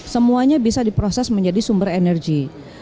semuanya bisa diproses menjadi sumber energi